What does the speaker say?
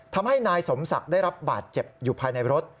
ทำให้นายสมศักดิ์ได้รับบาดเจ็บอยู่ภายในรถ